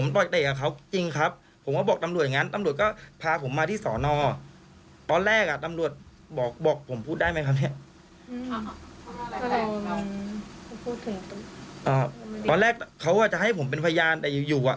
เต้ก็เลยมามีเรื่องกับโจ้ไปด้วย